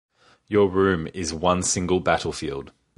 Your room is one single battlefield.